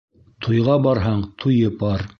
Туйға барһаң, туйып бар